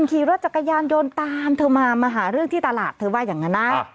ขี่รถจักรยานยนต์ตามเธอมามาหาเรื่องที่ตลาดเธอว่าอย่างนั้นนะ